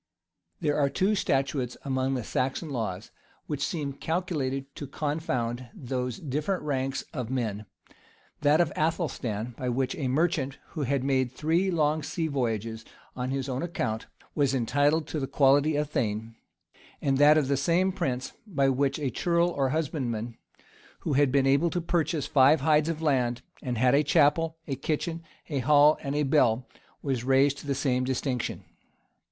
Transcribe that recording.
There are two statutes among the Saxon laws, which seem calculated to confound those different ranks of men; that of Athelstan, by which a merchant, who had made three long sea voyages on his own account, was entitled to the quality of thane;[] and that of the same prince, by which a ceorle, or husbandman, who had been able to purchase five hides of land, and had a chapel, a kitchen, a hall, and a bell, was raised to the same distinction.